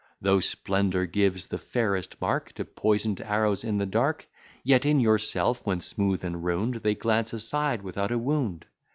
Though splendour gives the fairest mark To poison'd arrows in the dark, Yet, in yourself when smooth and round, They glance aside without a wound.